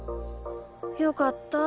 よかった。